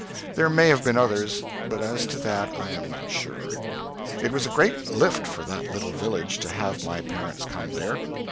There may have been others, but as to that I am not sure. It was a great lift for that little village to have my parents come there.